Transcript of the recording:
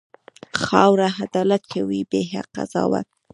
خاوره عدالت کوي، بې قضاوت.